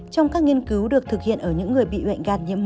trong các nghiên cứu được thực hiện ở những người bị bệnh gan nhiễm mỡ